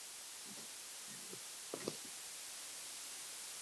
kubwa zaidi kamanda silo unafikiria